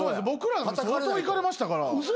僕ら相当いかれましたから。